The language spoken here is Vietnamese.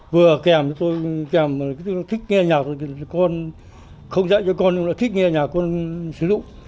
vừa kèm cho tôi kèm là thích nghe nhạc con không dạy cho con nhưng mà thích nghe nhạc con sử dụng